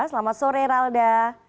selamat sore ralda